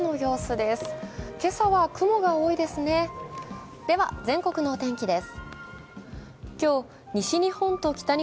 では全国のお天気です。